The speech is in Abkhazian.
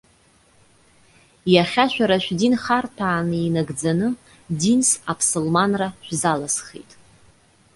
Иахьа, шәара шәдин харҭәааны инагӡаны, динс аԥсылманра шәзалысхит.